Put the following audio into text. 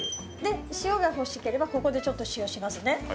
塩が欲しければ、ここでちょっと塩しますね。